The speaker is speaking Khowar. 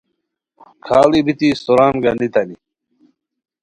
کھاڑ ای بیتی استوران گانیتانی